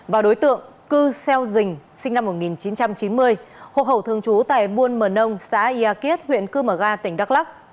và đối tượng cư xeo dình sinh năm một nghìn chín trăm chín mươi hồ hậu thường trú tại buôn mờ nông xã ia kiết huyện cư mở ga tỉnh đắk lắc